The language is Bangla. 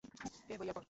এ বইয়া পর।